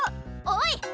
おい！